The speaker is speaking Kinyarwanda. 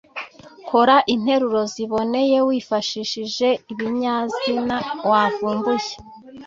kora interuro ziboneye wifashishije ibinyazina wavumbuye